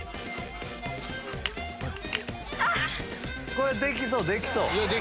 これできそうできそう。